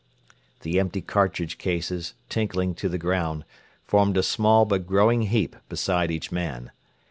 The empty cartridge cases, tinkling to the ground, formed a small but growing heap beside each man.